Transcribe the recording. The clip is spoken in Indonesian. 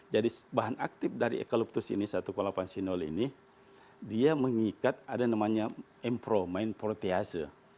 jadi bahan aktif dari eucalyptus ini satu delapan sineol ini dia mengikat ada namanya mpro main protease